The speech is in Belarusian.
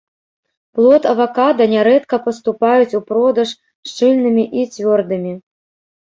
Плод авакада нярэдка паступаюць у продаж шчыльнымі і цвёрдымі.